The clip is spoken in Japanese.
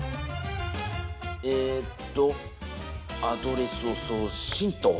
えっとアドレスを送信と。